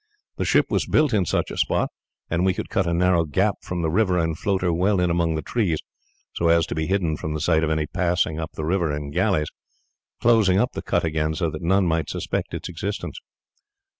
The ship was built in such a spot, and we could cut a narrow gap from the river and float her well in among the trees so as to be hidden from the sight of any passing up the river in galleys, closing up the cut again so that none might suspect its existence."